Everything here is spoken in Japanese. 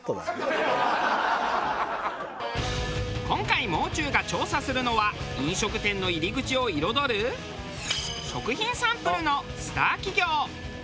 今回もう中が調査するのは飲食店の入り口を彩る食品サンプルのスター企業。